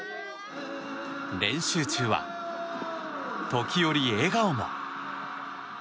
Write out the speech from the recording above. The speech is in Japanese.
練習中は時折笑顔も。